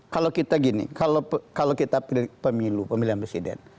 kalau kita gini kalau kita pilih pemilu pemilihan presiden